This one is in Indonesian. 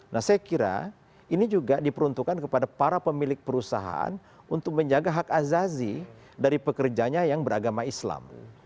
nah saya kira ini juga diperuntukkan kepada para pemilik perusahaan untuk menjaga hak azazi dari pekerjanya yang beragama islam